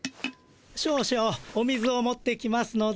少々お水を持ってきますので。